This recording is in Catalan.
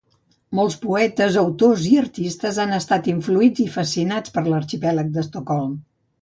Molts poetes, autors i artistes han estat influïts i fascinats per l'Arxipèlag d'Estocolm.